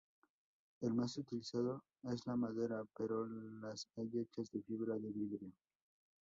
El más utilizado es la madera, pero las hay hechas de fibra de vidrio.